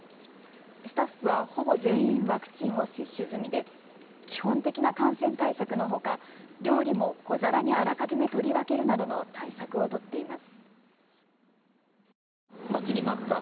スタッフはほぼ全員ワクチンを接種済みで基本的な感染対策のほか、料理も小皿にあらかじめ取り分けるなどの対策を取っています。